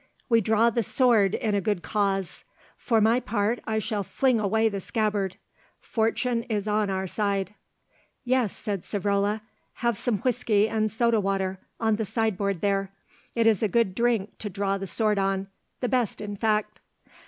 We draw the sword in a good cause; for my part I shall fling away the scabbard; Fortune is on our side." "Yes," said Savrola; "have some whisky and soda water, on the sideboard there. It is a good drink to draw the sword on, the best in fact."